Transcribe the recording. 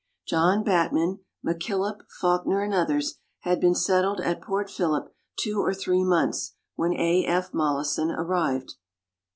John Batman, McKillop, Fawkner, and others, had been settled at Port Phillip two or three months when A. F. Mollison arrived.